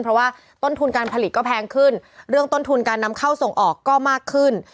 เพราะว่าต้นทุนการผลิตก็แพงขึ้นเรื่องต้นทุนการนำเข้าส่งออกก็มากขึ้น